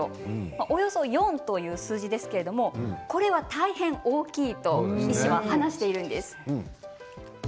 およそ４という数字ですけれどこれは大変大きいと医師は話しているんです。